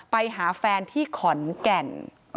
ไปหาแฟนที่ขอนแก่น